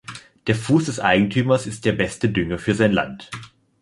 Der Fuß des Eigentümers ist der beste Dünger für sein Land.